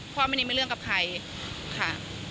พ่อไม่ได้มีเรื่องกับใครค่ะ